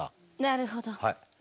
なるほど。